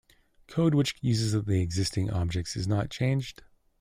Code which uses the existing objects is not changed.